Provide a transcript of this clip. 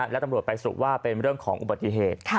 และตำรวจไปสู่ว่าเป็นเรื่องของอุบัติเหตุ